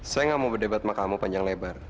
saya nggak mau berdebat sama kamu panjang lebar